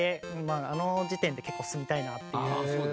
あの時点で結構住みたいなっていうのもあったし